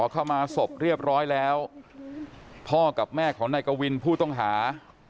เข้ามาศพเรียบร้อยแล้วพ่อกับแม่ของนายกวินผู้ต้องหา